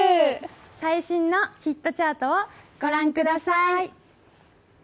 最新のヒットチャートを御覧ください。